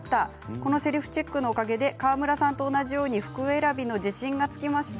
このセルフチェックのおかげで川村さんと同じように服選びの自信がつきました。